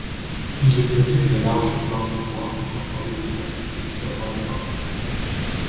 Il est doté de larges planches de bois incorporées au tronc, servant de bancs.